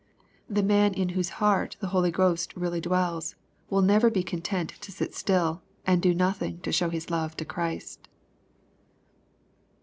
The man in whose heart the Holy Ghost really dwells, will never be content to sit still, and do nothing to show his love to Christ.